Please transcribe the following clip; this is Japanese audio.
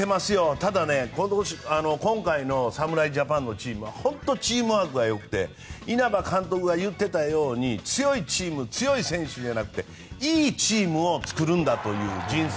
ただ、今回の侍ジャパンのチームは本当にチームワークがよくて稲葉監督が言っていたように強いチーム、強い選手じゃなくていいチームを作るんだという人選。